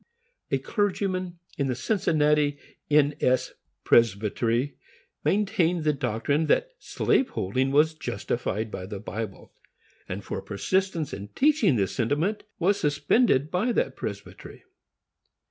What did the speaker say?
A clergyman in the Cincinnati N. S. Presbytery maintained the doctrine that slaveholding was justified by the Bible, and for persistence in teaching this sentiment was suspended by that presbytery.